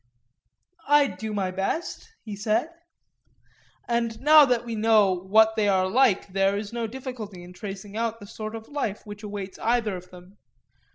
I do my best, he said. And now that we know what they are like there is no difficulty in tracing out the sort of life which awaits either of them.